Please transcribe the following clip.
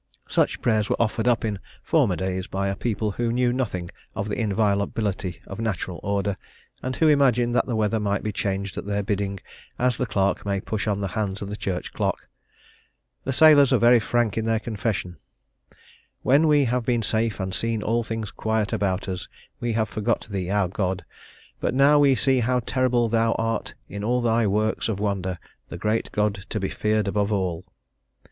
Such prayers were offered up in former days by a people who knew nothing of the inviolability of natural order, and who imagined that the weather might be changed at their bidding as the clerk may push on the hands of the church clock. The sailors are very frank in their confession: "When we have been safe and seen all things quiet about us, we have forgot thee, our God... But now we see how terrible thou art in all thy works of wonder; the great God to be feared above all."